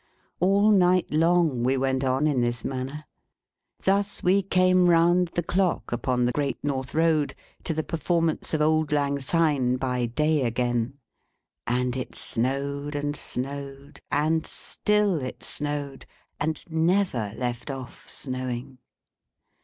All night long we went on in this manner. Thus we came round the clock, upon the Great North Road, to the performance of Auld Lang Syne by day again. And it snowed and snowed, and still it snowed, and never left off snowing.